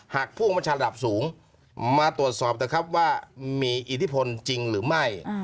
ผู้บัญชาระดับสูงมาตรวจสอบเถอะครับว่ามีอิทธิพลจริงหรือไม่